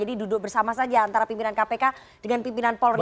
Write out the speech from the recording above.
sudah bersama saja antara pimpinan kpk dengan pimpinan polri